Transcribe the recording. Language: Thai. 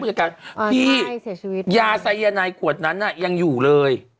อืมยายาไซยานายขวดนั้นอะยังอยู่เลย